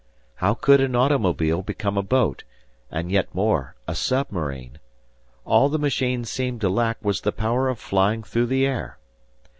How could an automobile become a boat, and yet more, a submarine? All the machine seemed to lack was the power of flying through the air.